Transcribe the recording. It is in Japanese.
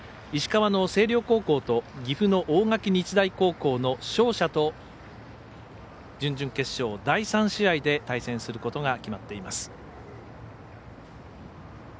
石川の星稜高校と岐阜の大垣日大高校の勝者と準々決勝第３試合で対戦することが決まっています。